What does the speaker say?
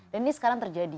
dan ini sekarang terjadi